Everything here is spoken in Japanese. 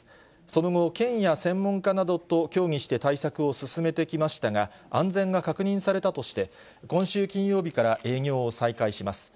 その後、県や専門家などと協議して対策を進めてきましたが、安全が確認されたとして、今週金曜日から営業を再開します。